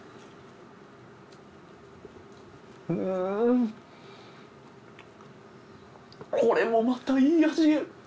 んこれもまたいい味。